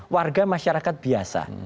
warga masyarakat biasa